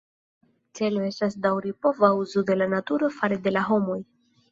Celo estas daŭripova uzu de la naturo fare de la homoj.